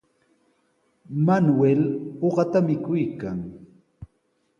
Manuel uqata mikuykan.